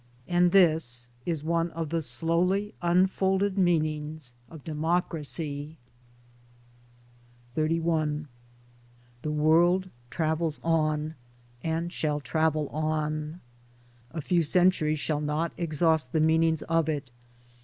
And this is one of the slowly unfolded meanings of Democracy. XXXI The world travels on — and shall travel on. A few centuries shall not exhaust the meanings of it.